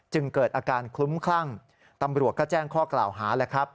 เกิดอาการคลุ้มคลั่งตำรวจก็แจ้งข้อกล่าวหาแล้วครับ